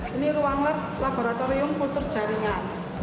ini ruang lab laboratorium kultur jaringan